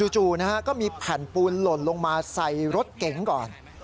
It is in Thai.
จู่ก็มีแผ่นปูนหล่นลงมาใส่รถเก๋งก่อน